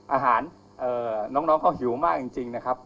อาหารน้องเขาหิวมากจริงนะครับ